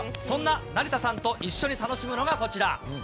そんな成田さんと一緒に楽しむのがこちら。